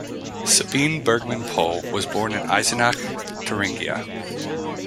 Sabine Bergmann-Pohl was born in Eisenach, Thuringia.